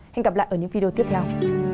hẹn gặp lại ở những video tiếp theo